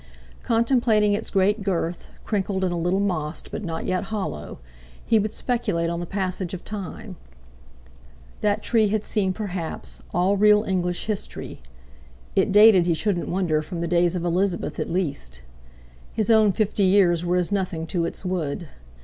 Contemplating its great girth—crinkled and a little mossed, but not yet hollow—he would speculate on the passage of time. That tree had seen, perhaps, all real English history; it dated, he shouldn't wonder, from the days of Elizabeth at least. His own fifty years were as nothing to its wood.